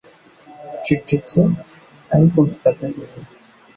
Ncecetse ariko mfite agahinda